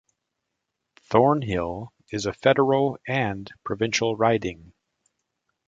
Thornhill is a federal and provincial riding.